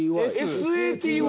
ＳＡＴＹ！